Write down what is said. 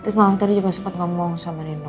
terus mama tadi juga sempet ngomong sama reno